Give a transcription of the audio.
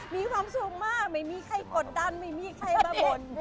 มีความสุขมากไม่มีใครกดดันไม่มีใครมาบ่น